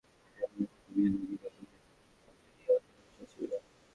মেলায় অ্যাপার্টমেন্টের বুকিং দিলে ক্রেতাদের জন্য মিলবে বিনা মূল্যে ইন্টেরিয়র ডেকোরেশন সুবিধা।